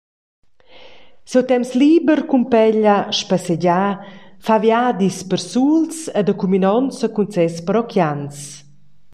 Siu temps liber cumpeglia: Spassegiar, far viadis persuls e da cuminonza cun ses parochians.